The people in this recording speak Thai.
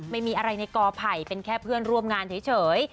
ไม่มีอะไรในกอไผ่เป็นแค่เพื่อนร่วมงานเฉย